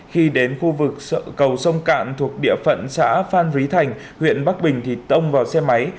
khi đến khu vực cầu sông cạn thuộc địa phận xã phan rí thành huyện bắc bình thì tông vào xe máy